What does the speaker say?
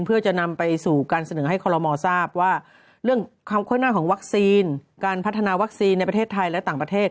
เพื่อจะนำไปสู่การเสนอให้คอลโมทราบว่าเรื่องความค้นหน้าของวัคซีนการพัฒนาวัคซีนในประเทศไทยและต่างประเทศ